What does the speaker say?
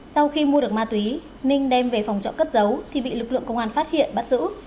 sau khi mua được ma túy ninh đem về phòng trọ cất giấu thì bị lực lượng công an phát hiện bắt giữ